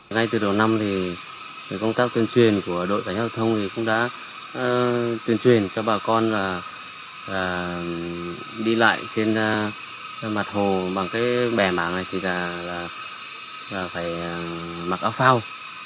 ngay từ đầu năm thì công tác tuyên truyền của đội tài năng hợp thông cũng đã tuyên truyền cho bà con là đi lại trên mặt hồ bằng cái bẻ mảng này chỉ là phải mặc áo phao